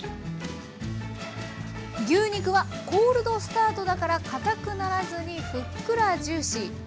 牛肉はコールドスタートだからかたくならずにふっくらジューシー。